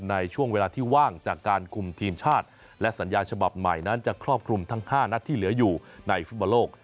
ในช่วงเวลาที่ว่างจากการคุมทีมชาติและสัญญาฉบับใหม่นั้นจะครอบคลุมทั้ง๕นัดที่เหลืออยู่ในฟุตบอลโลก